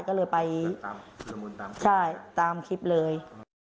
ก็เลยไปตามคลิปเลย